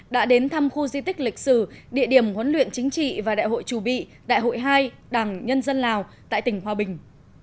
đã đến thăm khu di tích lịch sử địa điểm huấn luyện chính trị và đại hội trù bị đại hội hai đảng nhân dân lào tại tỉnh hòa bình